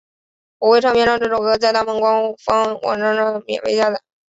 国会唱片让这首歌在他们官方网站上免费下载。